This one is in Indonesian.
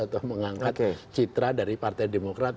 atau mengangkat citra dari partai demokrat